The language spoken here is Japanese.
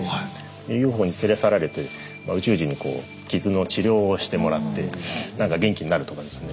ＵＦＯに連れ去られて宇宙人に傷の治療をしてもらってなんか元気になるとかですね。